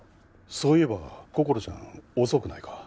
そういえばこころちゃん遅くないか？